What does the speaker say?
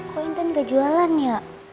kok intan kejualan ya